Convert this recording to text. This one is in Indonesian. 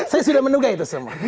saya sudah menduga itu semua